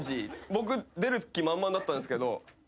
僕出る気満々だったんですけど。